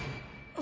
あ。